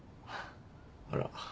あら。